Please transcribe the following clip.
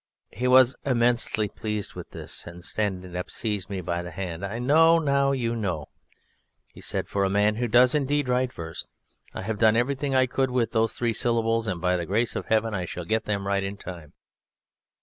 He was immensely pleased with this, and, standing up, seized me by the hand. "I know you now," he said, "for a man who does indeed write verse. I have done everything I could with those three syllables, and by the grace of Heaven I shall get them right in time.